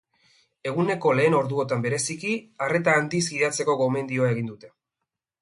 Eguneko lehen orduotan bereziki arreta handiz gidatzeko gomendioa egin dute.